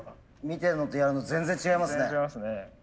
見てるのとやるの全然違いますね。